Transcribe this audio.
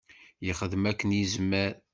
Yexdem akken yezmer.